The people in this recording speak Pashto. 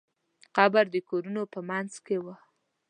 قبر د کورونو په منځ کې و.